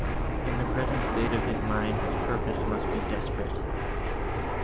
In the present state of his mind, his purpose must be desperate."